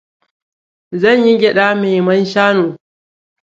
Zan yi gyada me man shanu.